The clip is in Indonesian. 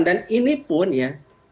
dan ini pun ya